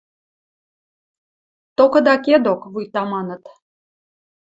Токыда кедок», – вуйта маныт.